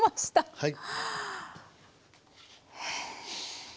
はい。